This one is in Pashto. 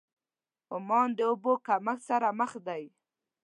عمان د اوبو کمښت سره مخ دی.